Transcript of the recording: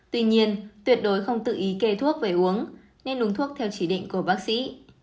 tuy nhiên tuyệt đối không tự ý kê thuốc về uống nên uống thuốc theo chỉ định của bác sĩ